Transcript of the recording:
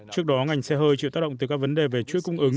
trước đó ngành xe hơi chịu tác động từ các vấn đề về chuỗi cung ứng